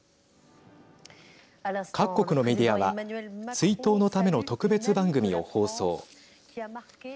各国のメディアは追悼のための特別番組を放送。